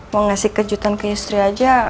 mau ngasih kejutan ke istri aja